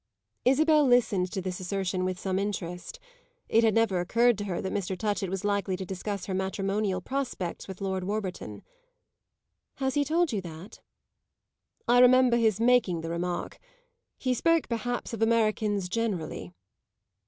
Isabel listened to this assertion with some interest; it had never occurred to her that Mr. Touchett was likely to discuss her matrimonial prospects with Lord Warburton. "Has he told you that?" "I remember his making the remark. He spoke perhaps of Americans generally."